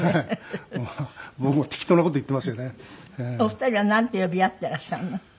お二人はなんて呼び合ってらっしゃるの？